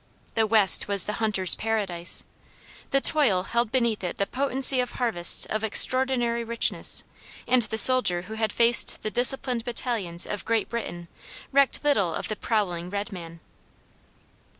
The West was the hunter's paradise. The toil held beneath it the potency of harvests of extraordinary richness, and the soldier who had faced the disciplined battalions of Great Britain recked little of the prowling red man.